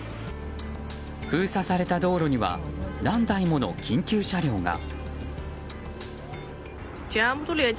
封鎖された道路には何台もの緊急車両が。